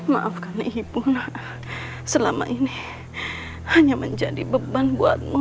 maafkan ibu selama ini hanya menjadi beban buatmu